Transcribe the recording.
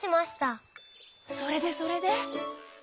それでそれで？